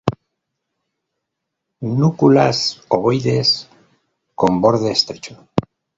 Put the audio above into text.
Núculas ovoides, con borde estrecho.